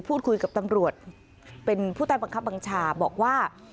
พูดคุยกับตำรวจเป็นผู้ใต้บังคับบัญชาบอกว่า